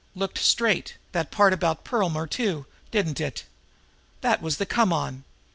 Looked straight, that part about Perlmer, too, didn't it? That was the come on.